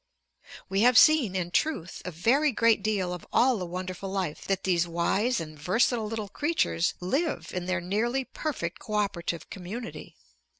We have seen, in truth, a very great deal of all the wonderful life that these wise and versatile little creatures live in their nearly perfect cooperative community.